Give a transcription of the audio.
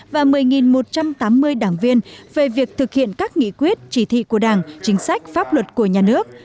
và một mươi một trăm tám mươi đảng viên về việc thực hiện các nghị quyết chỉ thị của đảng chính sách pháp luật của nhà nước